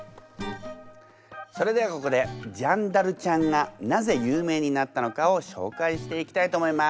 それではここでジャンダルちゃんがなぜ有名になったのかを紹介していきたいと思います。